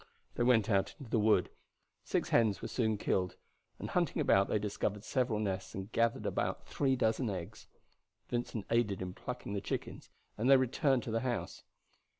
They went out into the wood. Six hens were soon killed, and hunting about they discovered several nests and gathered about three dozen eggs. Vincent aided in plucking the chickens and they then returned to the house.